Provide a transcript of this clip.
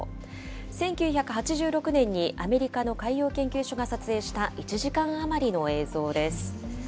１９８６年にアメリカの海洋研究所が撮影した１時間余りの映像です。